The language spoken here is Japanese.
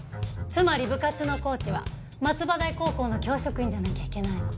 つまり部活のコーチは松葉台高校の教職員じゃなきゃいけないの。